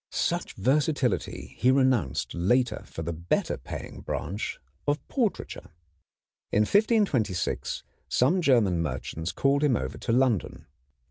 Such versatility he renounced later for the better paying branch of portraiture. In 1526 some German merchants called him over to London.